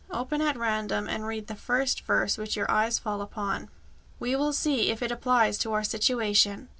Open at random and read the first verse which your eye falls upon. We will see if it applies to our situation."